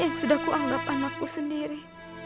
yang sudah kuanggap anakku sendiri